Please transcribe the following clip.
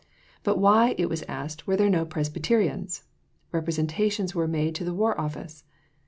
But why, it was asked, were there no Presbyterians? Representations were made to the War Office.